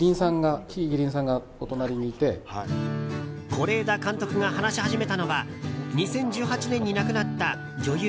是枝監督が話し始めたのは２０１８年に亡くなった女優